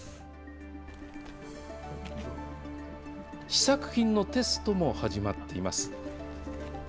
試作品のテストも始まっています。